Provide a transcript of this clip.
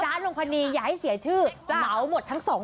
จ๊ะนงพะนีอยากให้เสียชื่อเมาหมดทั้ง๒แผง